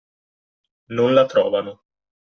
Non la trovano